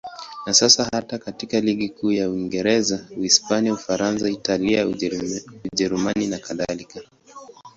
Na sasa hata katika ligi kuu za Uingereza, Hispania, Ufaransa, Italia, Ujerumani nakadhalika.